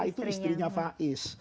itu istrinya faiz